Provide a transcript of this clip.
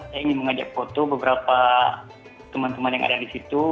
saya ingin mengajak foto beberapa teman teman yang ada di situ